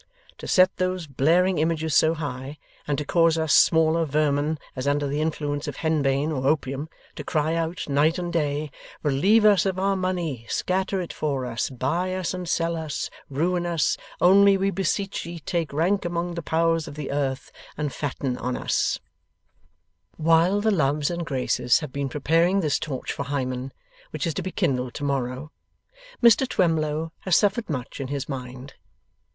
To set those blaring images so high, and to cause us smaller vermin, as under the influence of henbane or opium, to cry out, night and day, 'Relieve us of our money, scatter it for us, buy us and sell us, ruin us, only we beseech ye take rank among the powers of the earth, and fatten on us'! While the Loves and Graces have been preparing this torch for Hymen, which is to be kindled to morrow, Mr Twemlow has suffered much in his mind.